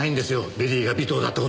ビリーが尾藤だって事。